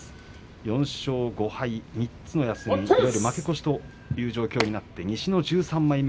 ４勝５敗、３つの休みいわゆる負け越しという状況になって、西の１３枚目。